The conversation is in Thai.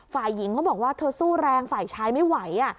ฝ่ายหญิงเขาบอกว่าเธอสู้แรงฝ่ายชายไม่ไหว